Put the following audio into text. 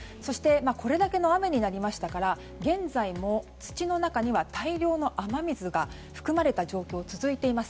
これだけの雨になりましたから現在も土の中には大量の雨水が含まれた状況が続いています。